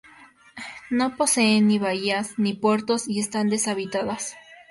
No poseen ni bahías ni puertos, y están deshabitadas.